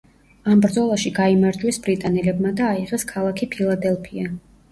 ამ ბრძოლაში გაიმარჯვეს ბრიტანელებმა და აიღეს ქალაქი ფილადელფია.